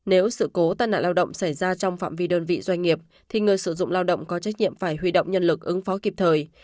nếu sự cố tai nạn lao động xảy ra trong phạm vi đơn vị doanh nghiệp thì người sử dụng lao động có trách nhiệm phải huy động nhân lực ứng phó kịp thời